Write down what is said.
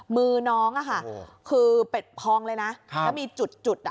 มือน้องคือเป็ดพองเลยนะแล้วมีจุด